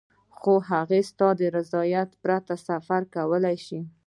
خو هغه ستا له رضایت پرته سفر کولای شي.